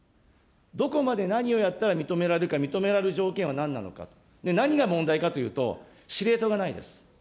どこまで何をやったら認められるか、認められる条件はなんなのか、何が問題かというと、司令塔がないんです。